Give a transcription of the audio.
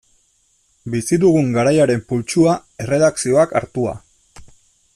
Bizi dugun garaiaren pultsua, erredakzioak hartua.